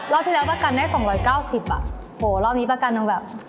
ที่แล้วประกันได้๒๙๐อ่ะโหรอบนี้ประกันยังแบบ